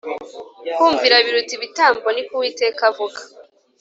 Kumvira biruta ibitambo ni ko uwiteka avuga